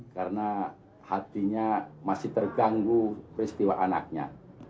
karena hatinya masih terganggu peristiwa anaknya